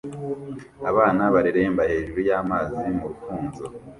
Abana bareremba hejuru y'amazi mu rufunzo